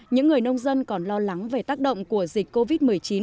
những người nông dân còn lo lắng về tác động của dịch covid một mươi chín